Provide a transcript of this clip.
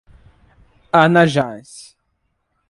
Anajás